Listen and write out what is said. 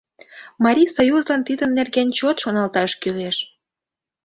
Марисоюзлан тидын нерген чот шоналташ кӱлеш.